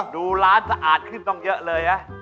ดูร้านสะอาดขึ้นต้องเยอะเลยนะ